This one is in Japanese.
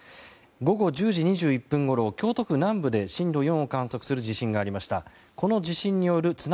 午後１０時２１分ごろ京都府南部で震度４を観測する地震がありました。